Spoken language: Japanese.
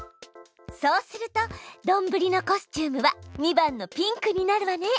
そうするとどんぶりのコスチュームは２番のピンクになるわね。